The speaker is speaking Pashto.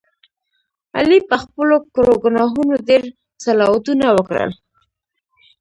علي په خپلو کړو ګناهونو ډېر صلواتونه وکړل.